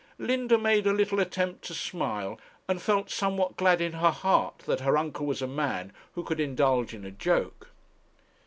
Linda made a little attempt to smile, and felt somewhat glad in her heart that her uncle was a man who could indulge in a joke.